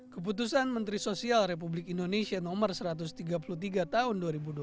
keputusan menteri sosial republik indonesia nomor satu ratus tiga puluh tiga tahun dua ribu dua puluh